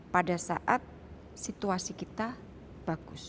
pada saat situasi kita bagus